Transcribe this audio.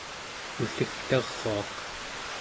ulligtaruaq